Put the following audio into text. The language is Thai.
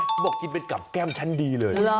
เขาบอกกินไปกับแก้มชั้นดีเลย